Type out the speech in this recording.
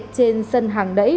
trên sân hàng đẩy